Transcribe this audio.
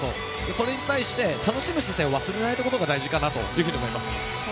それに対して楽しむ姿勢を忘れないことが大事かなと思います。